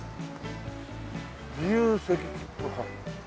「自由席切符」。